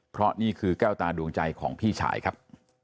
เพราะนี่คือแก้วตาดวงใจของพี่ชายครับ